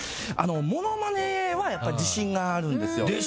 ものまねは、やっぱり自信があるんですよ。